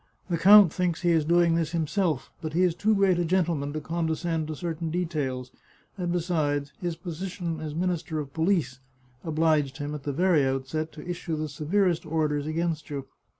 The count thinks he is doing this himself, but he is too great a gentleman to condescend to certain details, and besides, his position as Minister of Police obliged him, at the very outset, to issue the severest orders against you.